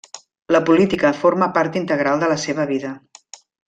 La política forma part integral de la seva vida.